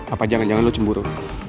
apa jangan jangan lo cemburu